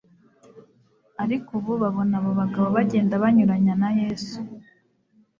ariko ubu babona abo bagabo bagenda banyuranya na Yesu,